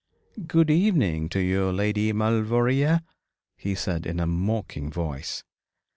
'Good evening to you, Lady Maulevrier,' he said in a mocking voice.